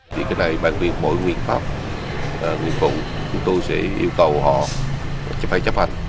vì cái này bản quyền mỗi nguyên pháp nguyên phụ chúng tôi sẽ yêu cầu họ phải chấp hành